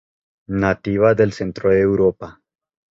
Nativa del centro de Europa.